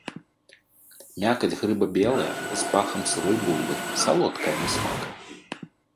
Мякаць грыба белая, з пахам сырой бульбы, салодкая на смак.